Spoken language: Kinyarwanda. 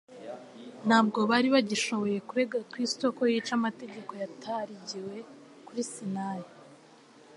Ntabwo bari bagishoboye kurega Kristo ko yica amategeko yatarigiwe kuri Sinai,